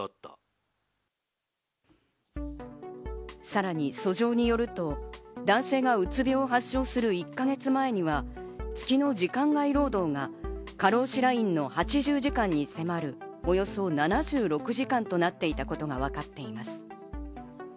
さらに訴状によると、男性がうつ病を発症する１か月前には、月の時間外労働が過労死ラインの８０時間に迫る、およそ７６時間となっていたことがわかっています。